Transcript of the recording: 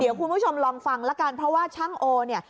เดี๋ยวคุณผู้ชมลองฟังแล้วกันเพราะว่าช่างโอเนี่ย